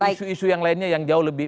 isu isu yang lainnya yang jauh lebih